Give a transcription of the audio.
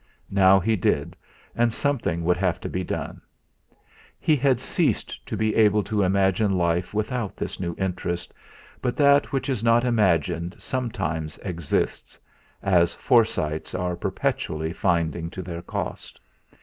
Now he did, and something would have to be done. He had ceased to be able to imagine life without this new interest, but that which is not imagined sometimes exists, as Forsytes are perpetually finding to their cost.